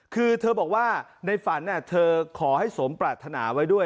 คือเธอบอกว่าในฝันเธอขอให้สมปรารถนาไว้ด้วย